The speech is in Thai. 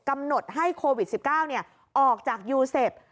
กำหนดให้โควิด๑๙ออกจากยูเซฟ